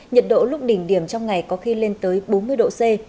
nhiệt độ lúc đỉnh điểm trong ngày có khi lên tới bốn mươi độ c